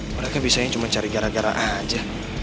mereka bisa ini cuma cari gara gara aja